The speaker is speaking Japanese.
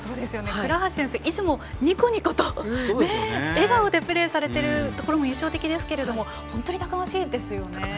倉橋選手いつもニコニコと笑顔でプレーされているところも印象的ですが本当にたくましいですね。